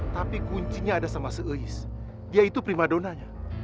tapi kuncinya ada sama se is dia itu primadonanya